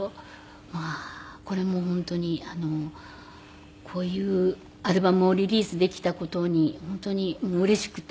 まあこれも本当にこういうアルバムをリリースできた事に本当にうれしくて。